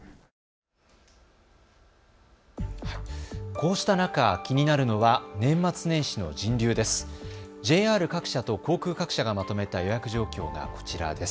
こうした中、気になるのは年末年始の人流です。